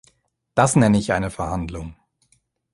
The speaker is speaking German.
Das nenne ich eine Verhandlung!